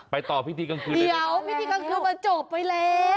ไปกับพิธีกลางคืนอีกเหรอ